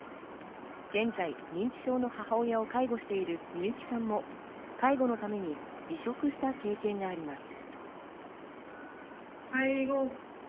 現在、認知症の母親を介護している美由紀さんも介護のために離職した経験があります。